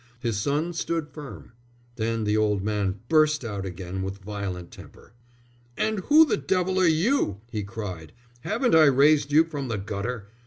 His son stood firm. Then the old man burst out again with violent temper. "And who the devil are you?" he cried. "Haven't I raised you from the gutter?